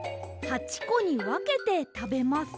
８こにわけてたべます。